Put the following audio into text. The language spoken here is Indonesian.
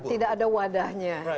tidak ada wadahnya